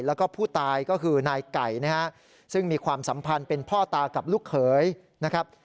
แล้วก็ผู้ตายก็คือนายไก่นะฮะซึ่งมีความสัมพันธ์เป็นพ่อตากับลูกเขยนะครับ